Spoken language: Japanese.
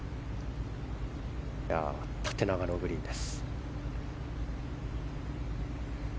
縦長のグリーンです。